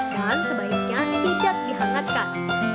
dan sebaiknya tidak dihangatkan